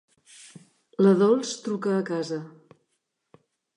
La Dols truca a casa.